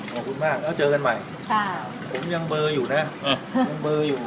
ขอบคุณมากแล้วเจอกันใหม่ผมยังเบอร์อยู่นะยังเบอร์อยู่